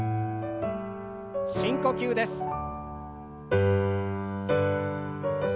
深呼吸です。